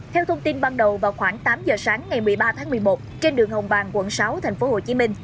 theo thông tin ban đầu vào khoảng tám giờ sáng ngày một mươi ba tháng một mươi một trên đường hồng bàng quận sáu tp hcm